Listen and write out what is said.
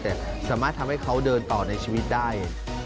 แต่สามารถทำให้เขาเดินต่อในชีวิตได้